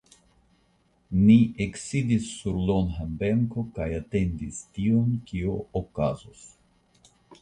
Ni eksidis sur longa benko kaj atendis tion, kio okazus.